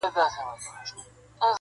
سواهد ټول راټولوي,